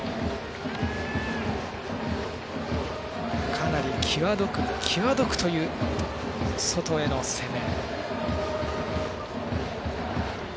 かなり際どくという外への攻め。